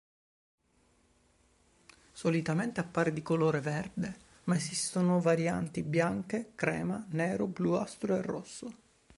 Solitamente appare di colore verde, ma esistono varianti bianche, crema, nero, bluastro e rosso.